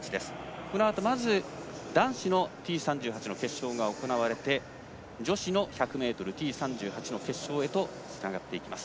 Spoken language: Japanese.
このあと、まず男子のＴ３８決勝が行われて女子の１００ｍＴ３８の決勝へとつながっていきます。